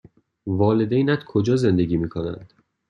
والدینت کجا زندگی می کنند؟